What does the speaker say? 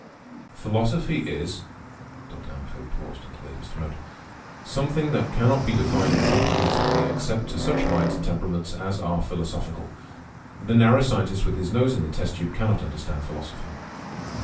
"Philosophy is—" (Dr. Hammerfield paused and cleared his throat)—"something that cannot be defined comprehensively except to such minds and temperaments as are philosophical. The narrow scientist with his nose in a test tube cannot understand philosophy."